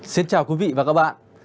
xin chào quý vị và các bạn